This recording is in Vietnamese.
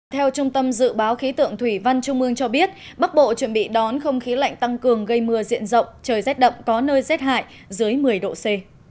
theo trung tâm dự báo khí tượng thủy văn trung ương cho biết bắc bộ chuẩn bị đón không khí lạnh tăng cường gây mưa diện rộng trời rét đậm có nơi rét hại dưới một mươi độ c